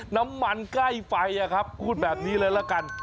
น้ำมันใกล้ไปคุยแบบนี้เลยกัน